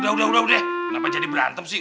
hah udah udah kenapa jadi berantem sih